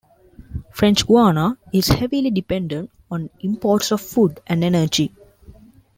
French Guiana is heavily dependent on imports of food and energy.